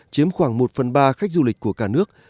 chiếm khoảng một phần ba khách du lịch của cả nước